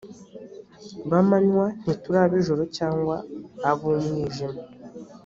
b amanywa ntituri ab ijoro cyangwa ab umwijima